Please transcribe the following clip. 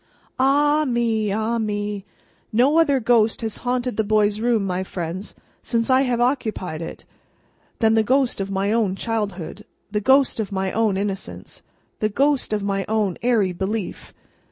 Ah me, ah me! No other ghost has haunted the boy's room, my friends, since I have occupied it, than the ghost of my own childhood, the ghost of my own innocence, the ghost of my own airy belief.